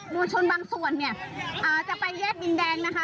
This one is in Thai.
วลชนบางส่วนเนี่ยจะไปแยกดินแดงนะคะ